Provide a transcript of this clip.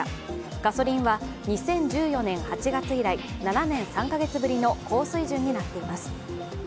ガソリンは２０１４年８月以来、７年３カ月ぶりの高水準になっています。